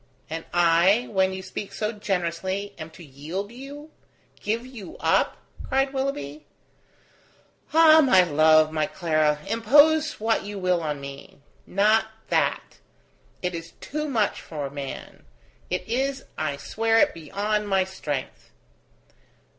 "And I, when you speak so generously, am to yield you? give you up?" cried Willoughby. "Ah! my love, my Clara, impose what you will on me; not that. It is too much for man. It is, I swear it, beyond my strength."